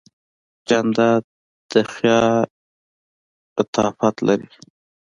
جانداد د خیال لطافت لري.